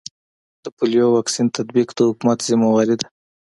د پولیو واکسین تطبیق د حکومت ذمه واري ده